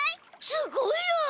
すごいよ！